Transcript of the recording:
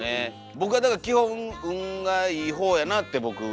僕はだから基本運がいい方やなって僕思ってるんですよ。